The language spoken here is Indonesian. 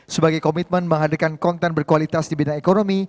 sebagai komitmen menghadirkan konten berkualitas di bidang ekonomi